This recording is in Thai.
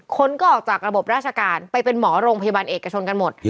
คนก็ออกจากระบบราชการไปเป็นหมอโรงพยาบาลเอกชนกันหมด